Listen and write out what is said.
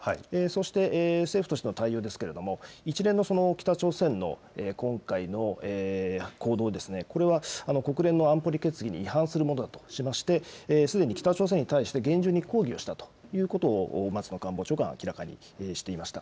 そして、政府としての対応ですけれども、一連の北朝鮮の今回の行動ですね、これは国連の安保理決議に違反するものだとしまして、すでに北朝鮮に対して、厳重に抗議をしたということを、松野官房長官は明らかにしていました。